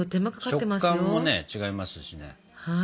食感も違いますしね。